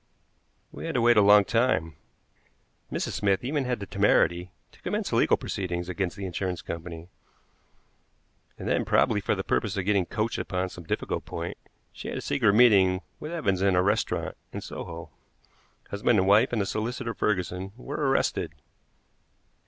We had to wait a long time. Mrs. Smith even had the temerity to commence legal proceedings against the insurance company, and then, probably for the purpose of getting coached upon some difficult point, she had a secret meeting with Evans in a restaurant in Soho. Husband and wife and the solicitor Ferguson were arrested.